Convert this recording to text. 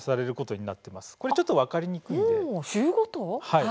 はい。